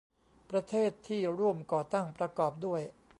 ประเทศที่ร่วมก่อตั้งประกอบด้วย